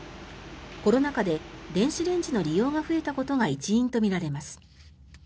コロナ禍で電子レンジの利用が増えたことが一因とみられます。